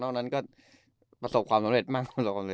นอกนั้นก็ประสบความสำเร็จมาก